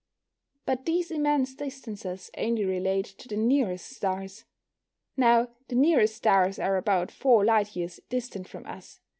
But these immense distances only relate to the nearest stars. Now, the nearest stars are about four "light years" distant from us.